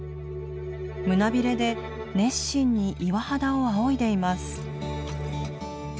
胸びれで熱心に岩肌をあおいでいます。